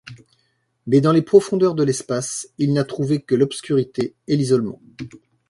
Mais dans les profondeurs de l'espace, il n'a trouvé que l'obscurité et l'isolement.